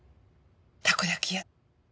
たこ焼き屋。